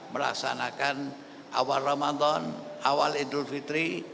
melaksanakan awal ramadan awal idul fitri